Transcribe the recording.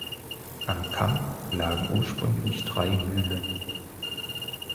Am Kamp lagen ursprünglich drei Mühlen.